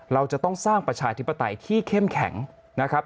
เราจะต้องสร้างประชาธิปไตยที่เข้มแข็งนะครับ